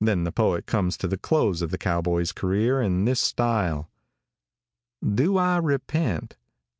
Then the poet comes to the close of the cowboy's career in this style: ```"Do I repent?"